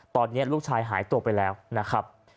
ตอนนี้ลูกชายหายตัวไปแล้วนะครับ